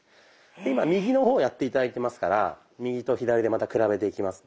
で今右の方をやって頂いてますから右と左でまた比べていきますね。